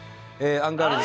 アンガールズ